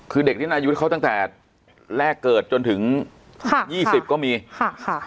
คือเด็กนี่นายุทธ์เขาตั้งแต่แรกเกิดจนถึงค่ะยี่สิบก็มีค่ะค่ะ